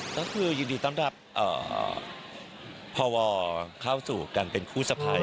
ก็คือยินดีต้อนรับเอ่อพอวอร์เข้าสู่กันเป็นคู่สะพัย